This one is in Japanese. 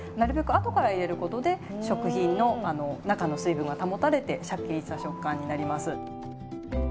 あとから入れることで食品の中の水分が保たれてしゃっきりした食感になります。